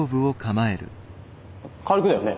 軽くだよね？